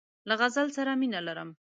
له غزل سره مینه لرم.